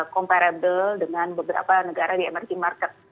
comparable dengan beberapa negara di emerging market